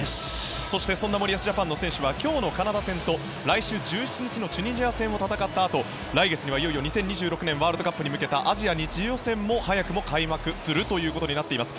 そんな森保ジャパンの選手は今日のカナダ戦と来週１７日のチュニジア戦を戦ったあと来月にはいよいよ２０２６年ワールドカップに向けたアジア２次予選が早くも開幕することになっています。